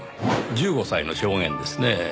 １５歳の証言ですねぇ。